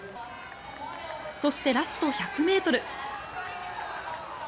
そして、ラスト１００ｍ。